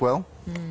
うん。